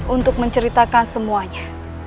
untuk menceritakan semuanya